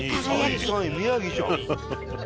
２位３位宮城じゃん！